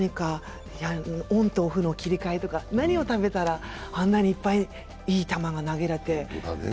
オンとオフの切り替えとか、何を食べたら、あんなにいっぱいいい球が投げれて。